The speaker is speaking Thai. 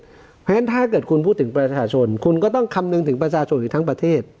เพราะฉะนั้นถ้าเกิดคุณพูดถึงประชาชนคุณก็ต้องคำนึงถึงประชาชนอยู่ทั้งประเทศ